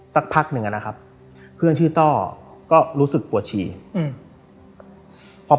สักพักหนึ่งอ่ะนะครับเพื่อนชื่อต้อก็รู้สึกปวดฉี่อืมพอ